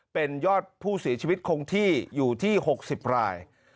เป็นยอดผู้เสียชีวิตคงที่อยู่ที่๖๐ราย